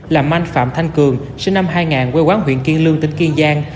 làm anh phạm thanh cường sinh năm hai nghìn quê quán huyện kiên lương tỉnh kiên giang